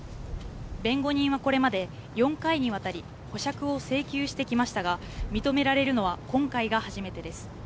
弁護人はこれまで、４回にわたり保釈を請求してきましたが、認められるのは今回が初めてです。